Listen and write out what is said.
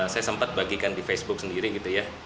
saya sempat bagikan di facebook sendiri gitu ya